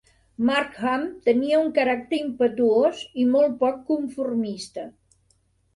Markham tenia un caràcter impetuós i molt poc conformista.